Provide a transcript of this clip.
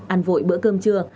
ăn vội bữa cơm trưa